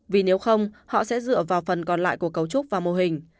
vì nếu không họ sẽ dựa vào phần còn lại của cấu trúc và mô hình